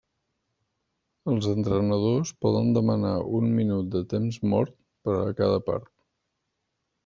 Els entrenadors poden demanar un minut de temps mort per a cada part.